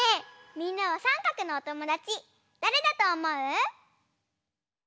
みんなはさんかくのおともだちだれだとおもう？